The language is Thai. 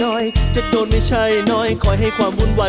ดูแล้วคงไม่รอดเพราะเราคู่กัน